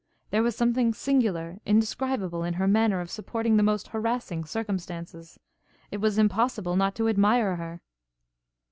There was something singular, indescribable, in her manner of supporting the most harassing circumstances. It was impossible not to admire her.'